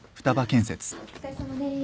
お疲れさまです。